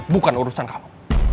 bukan urusan kamu